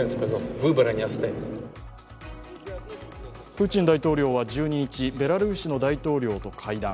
プーチン大統領は１２日ベラルーシの大統領と会談。